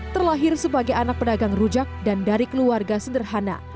terlahir sebagai anak pedagang rujak dan dari keluarga sederhana